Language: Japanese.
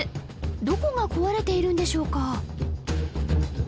どこが壊れているんでしょうか？